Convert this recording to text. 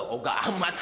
oh gak amat